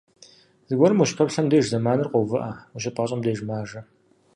Зыгуэрым ущыпэплъэм деж зэманыр къоувыӏэ, ущыпӏащӏэм деж - мажэ.